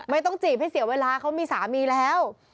ต้องจีบให้เสียเวลาเขามีสามีแล้ว